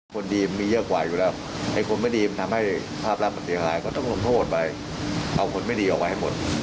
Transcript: ฉะนั้นที่คุณก็เข้ามาปิดภาพท่านนายกจะต้องขอโทษไหมคะ